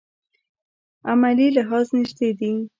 عملي لحاظ نژدې دي.